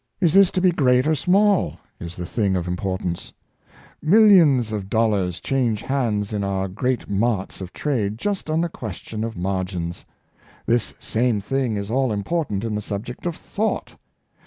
Is this to be great or small? is the thing of importance. Millions 248 Gai^JielcPs Learning. of dollars change hands in our great marts of trade just on the question of margins. This same thing is all important in the subject of thought.